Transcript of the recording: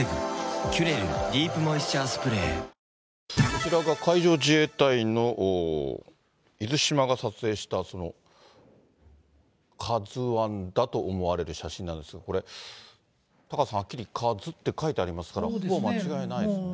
こちらが海上自衛隊のいずしまが撮影した、そのカズワンだと思われる写真なんですが、これ、タカさん、これはっきりカズって書いてあるから、ほぼ間違いないですね。